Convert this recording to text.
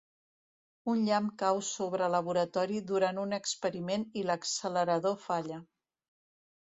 Un llamp cau sobre laboratori durant un experiment i l'accelerador falla.